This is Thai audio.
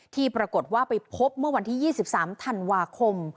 ที่ปรากฏว่าไปพบเมื่อวันที่ยี่สิบสามธันวาคม